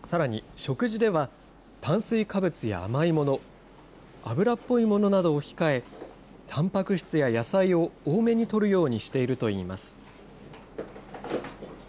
さらに食事では、炭水化物や甘いもの、油っぽいものなどを控え、たんぱく質や野菜を多めにとるようにしているといいます。